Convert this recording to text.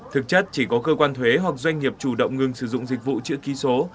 thực chất chỉ có cơ quan thuế hoặc doanh nghiệp chủ động ngừng sử dụng dịch vụ chữ ký số